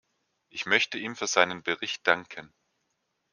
Ich möchte ihm für seinen Bericht danken.